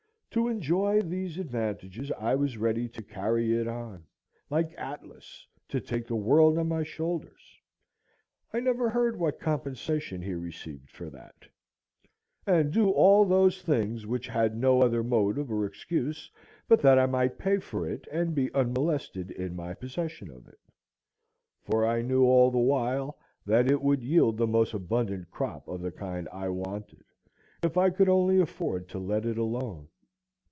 To enjoy these advantages I was ready to carry it on; like Atlas, to take the world on my shoulders,—I never heard what compensation he received for that,—and do all those things which had no other motive or excuse but that I might pay for it and be unmolested in my possession of it; for I knew all the while that it would yield the most abundant crop of the kind I wanted if I could only afford to let it alone.